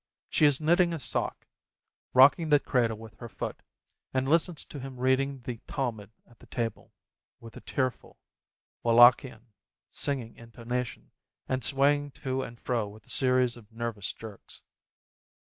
She is knitting a sock, rocking the cradle with her foot, and listens to him reading the Talmud at the table, with a tearful, Wallachian, sing 56 PEREZ ing intonation, and swaying to and fro with a series of nervous jerks.